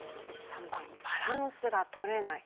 ３番「バランスがとれない」。